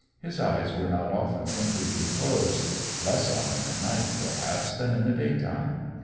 His eyes were not often completely closed; less often at night, perhaps, than in the daytime.